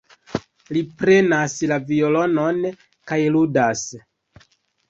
Li prenas la violonon kaj ludas.